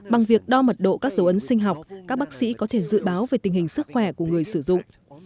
bằng việc đo mật độ các dấu ấn sinh học các bác sĩ có thể dự báo về tình hình sức khỏe của người sử dụng